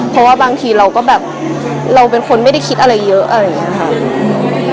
เพราะว่าบางทีเราก็แบบเราเป็นคนไม่ได้คิดอะไรเยอะอะไรอย่างนี้ค่ะ